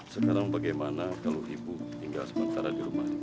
sekarang bagaimana kalau ibu tinggal sementara di rumah